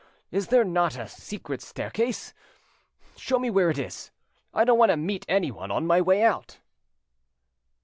Is there not a secret staircase? Show me where it is. I don't want to meet anyone on my way out."